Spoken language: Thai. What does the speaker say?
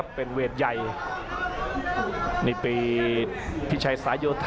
อัศวินาศาสตร์